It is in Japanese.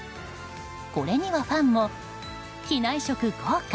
これにはファンも機内食、豪華！